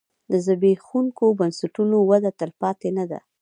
د زبېښونکو بنسټونو وده تلپاتې نه ده.